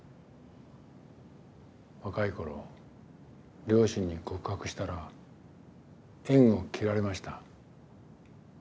若い頃両親に告白したら縁を切られました。